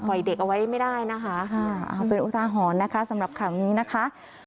เด็กเอาไว้ไม่ได้นะคะค่ะเอาเป็นอุทาหรณ์นะคะสำหรับข่าวนี้นะคะ